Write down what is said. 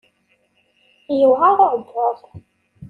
Yewɛer uɛebbuḍ.